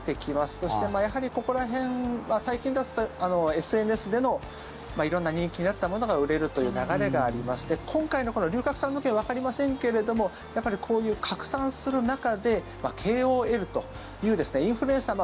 そして、やはり、ここら辺は最近ですとＳＮＳでの色んな人気になったものが売れるという流れがありまして今回のこの龍角散の件わかりませんけれどもやっぱり、こういう拡散する中でＫＯＬというですねインフルエンサー